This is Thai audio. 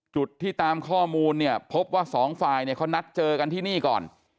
จุดที่ตามข้อมูลเนี่ยพบว่าสองฝ่ายเนี่ยเขานัดเจอกันที่นี่ก่อน